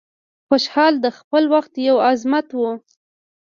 خوشحال د خپل وخت یو عظمت و.